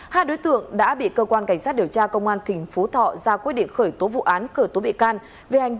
hai đối tượng đã bị cơ quan cảnh sát điều tra công an tp thọ ra quyết định khởi tố vụ án cờ tố bị cao